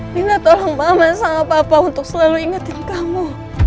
minta tolong mama sama papa untuk selalu ingetin kamu